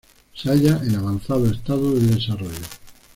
Se halla en avanzado estado de desarrollo.